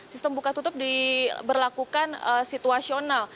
sistem buka tutup diberlakukan situasional